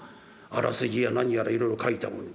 あらすじや何やらいろいろ書いたもの。